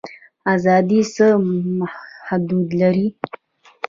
ازادي څه حدود لري؟